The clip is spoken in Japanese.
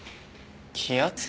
気圧？